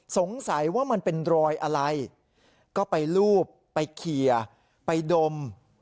สงสัยว่ามันเป็นรอยอะไรก็ไปลูบไปเคลียร์ไปดม